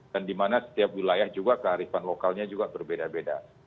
dimana setiap wilayah juga kearifan lokalnya juga berbeda beda